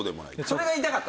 それが言いたかった？